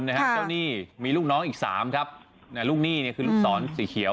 เจ้าหนี้มีลูกน้องอีกสามครับลูกหนี้เนี่ยคือลูกศรสีเขียว